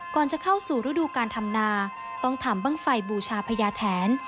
ก่อนจะเข้าสู่ฤดูการทำนาต้องทำบ้างไฟบูชาพญาแทน